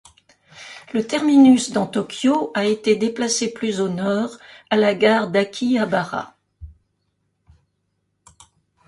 Le terminus dans Tokyo a été déplacé plus au nord, à la gare d'Akihabara.